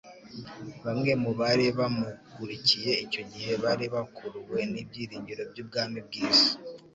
Bamwe mu bari bamukurikiye icyo gihe bari bakuruwe n'ibyiringiro by'ubwami bw'isi.